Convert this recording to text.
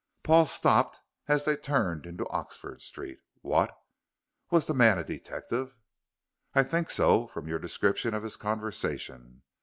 Paul stopped as they turned into Oxford Street. "What? Was the man a detective?" "I think so, from your description of his conversation.